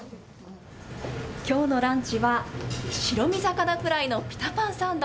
きょうのランチは白身魚フライのピタパンサンド。